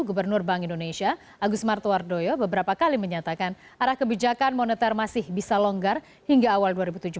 gubernur bank indonesia agus martowardoyo beberapa kali menyatakan arah kebijakan moneter masih bisa longgar hingga awal dua ribu tujuh belas